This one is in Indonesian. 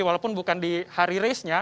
walaupun bukan di hari race nya